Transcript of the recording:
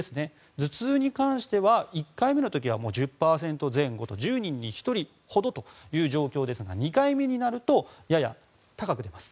頭痛に関しては１回目の時はもう１０％前後と１０人に１人ほどという状況ですが２回目になるとやや高くなります。